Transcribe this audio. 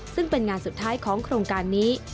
ซึ่งเป็นงานสุดท้ายของโครงการนี้